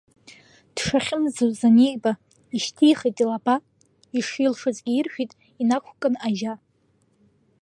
Дшахьымӡоз аниба, ишьҭихт илаба, Ишилшозгьы иршәит, инақәкын Ажьа…